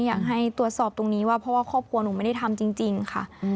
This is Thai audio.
อยากให้ตรวจสอบว่าขอบครัวหนูไม่ได้ทำจริงอย่างนี้ค่ะ